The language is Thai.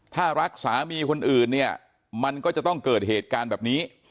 ถ้ารักสามีคนอื่นเนี่ยมันก็จะต้องเกิดเหตุการณ์แบบนี้